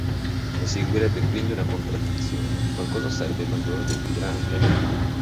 Ne seguirebbe quindi una contraddizione: qualcosa sarebbe maggiore del più grande.